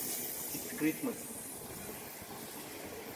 It’s Christmas.